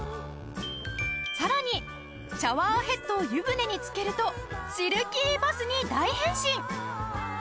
さらにシャワーヘッドを湯船につけるとシルキーバスに大変身！